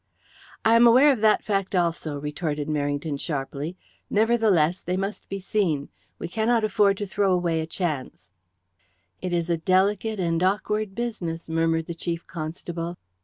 "I am aware of that fact also," retorted Merrington sharply. "Nevertheless, they must be seen. We cannot afford to throw away a chance." "It is a delicate and awkward business," murmured the Chief Constable.